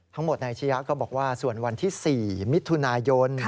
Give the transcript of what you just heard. ทั้งหมดนายชียะก็บอกว่าส่วนวันที่๔มิถุนายน